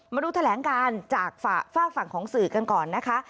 มาดูแถลงการจากฝากฝั่งของสื่อกันก่อนนะคะ